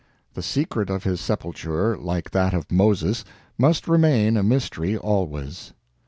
The secret of his sepulture, like that of Moses, must remain a mystery always.